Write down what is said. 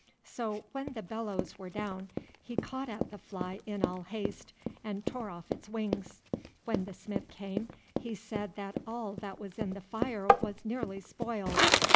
So, when the bellows were down, he caught at the fly in all haste, and tore off its wings. When the smith came he said that all that was in the fire was nearly spoiled.